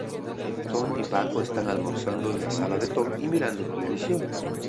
Tom y Paco están almorzando en la sala de Tom y mirando televisión.